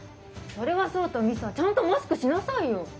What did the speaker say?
それはそうと美沙ちゃんとマスクしなさいよ！